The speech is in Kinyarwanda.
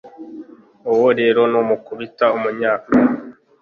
Wowe rero numukubita umunyafu